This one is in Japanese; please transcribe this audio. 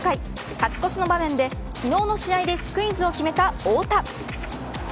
勝ち越しの場面で昨日の試合でスクイズを決めた太田。